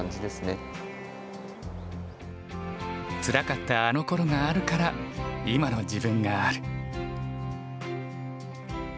つらかったあのころがあるから今の自分がある。